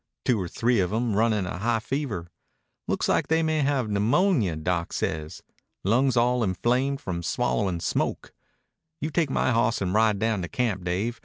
Two or three of 'em runnin' a high fever. Looks like they may have pneumonia, doc says. Lungs all inflamed from swallowin' smoke.... You take my hawss and ride down to camp, Dave.